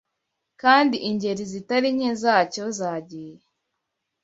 kandi ingeri zitari nke zacyo zagiye